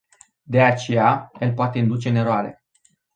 De aceea, el poate induce în eroare.